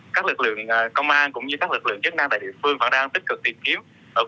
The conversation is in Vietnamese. các lực lượng công an cũng như các lực lượng chức năng tại địa phương vẫn đang tích cực tìm kiếm